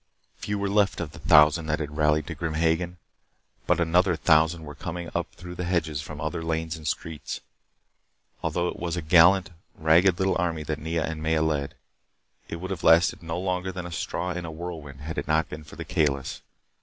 Few were left of the thousand that had rallied to Grim Hagen. But another thousand were coming through the hedges from other lanes and streets. Although it was a gallant, ragged little army that Nea and Maya led, it would have lasted no longer than a straw in a whirlwind had it not been for the Kalis.